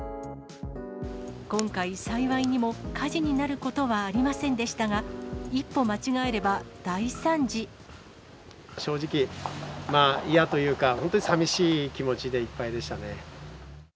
今回、幸いにも火事になることはありませんでしたが、正直、嫌というか、本当にさみしい気持ちでいっぱいでしたね。